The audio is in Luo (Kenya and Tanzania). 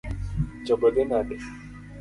Chogo dhi nade?